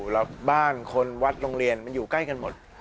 แล้วบ้านคนวัดโรงเรียนมันอยู่ใกล้กันหมด